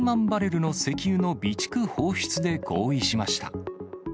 バレルの石油の備蓄放出で合意しました。